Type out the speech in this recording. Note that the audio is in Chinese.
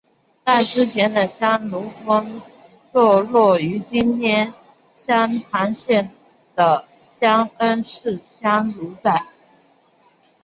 但之前的香炉峰坐落于今天湘潭县的茶恩寺香炉寨。